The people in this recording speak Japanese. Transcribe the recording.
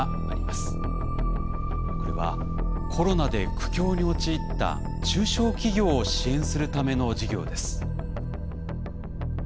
これはコロナで苦境に陥った中小企業を支援するための事業です。